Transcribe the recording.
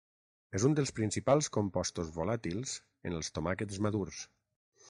És un dels principals compostos volàtils en els tomàquets madurs.